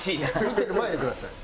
見てる前でください。